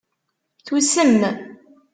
Tusem.